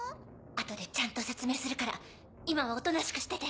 後でちゃんと説明するから今はおとなしくしてて。